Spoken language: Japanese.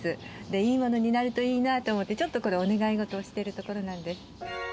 いいものになるといいなぁと思って、ちょっとお願い事をしているところなんです。